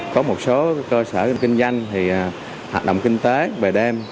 có một số cơ sở kinh doanh thì hoạt động kinh tế về đêm